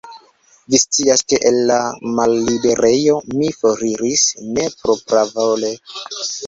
Vi scias, ke el la malliberejo mi foriris ne propravole.